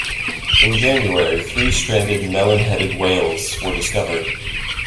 In January, three stranded melon-headed whales were discovered.